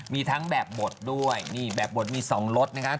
มีทั้งแบบบดด้วยนี่แบบบทมี๒รสนะครับ